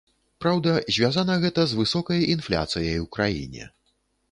Праўда, звязана гэта з высокай інфляцыяй у краіне.